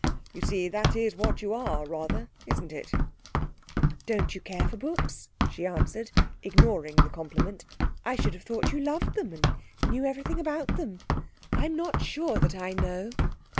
You see, that is what you are, rather, isn't it?' 'Don't you care for books?' she answered, ignoring the compliment. 'I should have thought you loved them, and knew everything about them. I'm not sure that I know.'